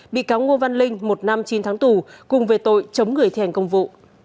bị cáo ngô văn linh một năm chín tháng tù cùng về tội chống người thi hành công vụ